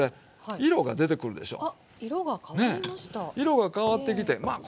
色が変わってきてまあ